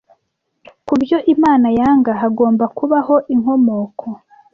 kubyo imana yanga hagomba kubaho inkomoko